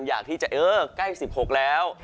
อยากที่จะใกล้สิบหกแล้ว